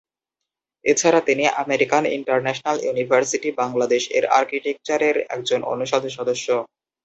এছাড়া তিনি American International University Bangladesh এর আর্কিটেকচারের একজন অনুষদ সদস্য।